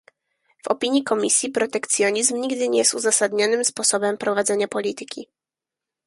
W opinii Komisji protekcjonizm nigdy nie jest uzasadnionym sposobem prowadzenia polityki